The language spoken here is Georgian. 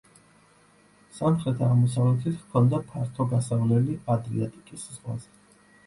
სამხრეთ-აღმოსავლეთით ჰქონდა ფართო გასავლელი ადრიატიკის ზღვაზე.